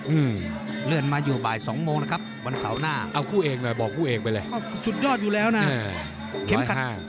อืมเลื่อนมาอยู่บ่ายสองโมงนะครับวันเสาร์หน้าเอาคู่เอกหน่อยบอกคู่เอกไปเลยสุดยอดอยู่แล้วนะเข็มขัด